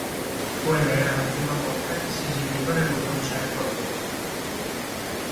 Quella era la prima volta che si esibivano in un concerto loro.